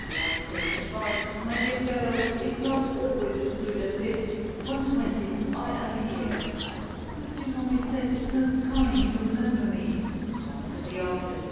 — Maur^s set's advice, my dear fellow, is not always as good as this ;— consequently I am here." " Monsieur Maur^sset is most kind to remember me," answered the artist.